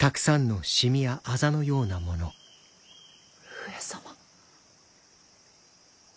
上様！